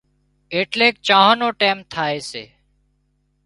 ايٽليڪ چانه نو ٽيم ٿائي سي